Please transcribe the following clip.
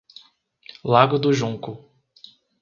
Lago do Junco